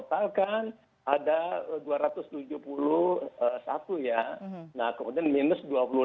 kita totalkan ada dua ratus tujuh puluh satu ya kemudian minus dua puluh lima